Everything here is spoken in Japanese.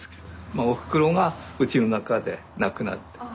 あおふくろがうちの中で亡くなって。